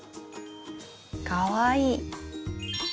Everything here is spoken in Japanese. かわいい。